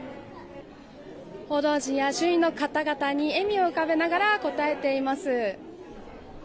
報道陣や周囲の方々に笑みを浮かべながら応えています。